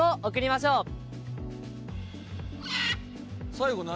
「最後何？」